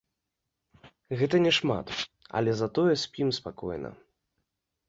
Гэта няшмат, але затое спім спакойна.